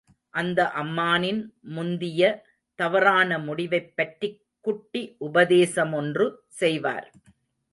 அந்த அம்மானின், முந்திய, தவறான முடிவைப் பற்றிக் குட்டி உபதேசமொன்று செய்வார்.